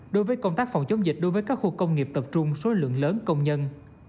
đối với công tác phòng chống dịch đối với các khu công nghiệp tập trung số lượng lớn công nhân